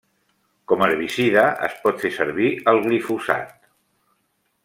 Com herbicida es pot fer servir el glifosat.